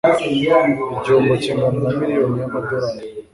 Igihombo kingana na miliyoni y'amadolari.